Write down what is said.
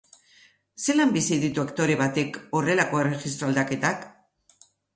Zelan bizi ditu aktore batek horrelako erregistro aldaketak?